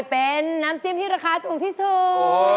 เป็นน้ำจิ้มที่ราคาถูกที่สุด